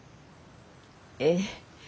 ええ。